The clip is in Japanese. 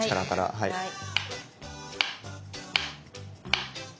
はいはい。